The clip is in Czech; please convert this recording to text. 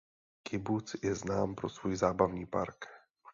Kibuc je znám pro svůj zábavní park.